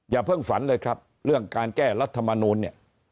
เพิ่งฝันเลยครับเรื่องการแก้รัฐมนูลเนี่ย